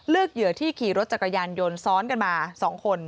เหยื่อที่ขี่รถจักรยานยนต์ซ้อนกันมา๒คน